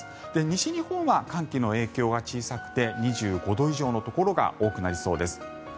西日本は寒気の影響は小さくて２５度以上のところが多くなりそうです。